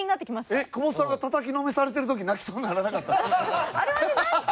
えっ久保田さんがたたきのめされてる時泣きそうにならなかった？